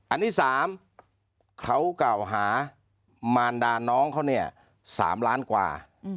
อันนี้๓เขากล่าวหามารดาน้องเขาเนี่ย๓ล้านกว่า